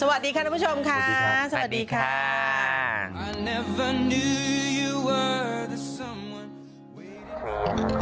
ขอบคุณผู้ชมค่ะสวัสดีค่ะ